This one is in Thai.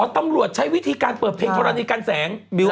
ตำรวจใช้วิธีการเปิดเพลงธรณีกันแสง